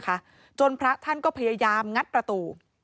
ถึงให้พระท่านพยายามจัดประตู